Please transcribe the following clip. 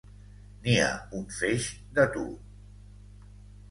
N'hi ha un feix, de tu!